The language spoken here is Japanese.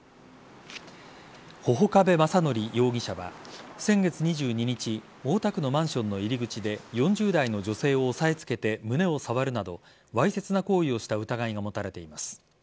波々伯部正規容疑者は先月２２日大田区のマンションの入り口で４０代の女性を押さえ付けて胸を触るなどわいせつな行為をした疑いが持たれています。